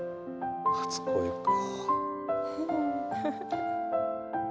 初恋か。